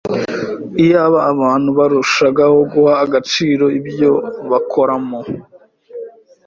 Iyaba abantu barushagaho guha agaciro ibyo bakoramo